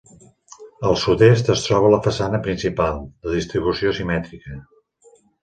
Al sud-est es troba la façana principal, de distribució simètrica.